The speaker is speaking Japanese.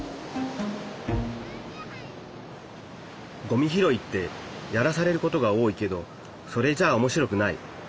ごみ拾いってやらされることが多いけどそれじゃあ面白くない。